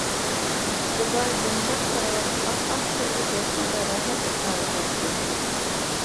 زىبا يۇمشاق كارىۋات، ئاپئاق كىرلىك يوتقاندا راھەت ئۇخلاۋاتاتتى.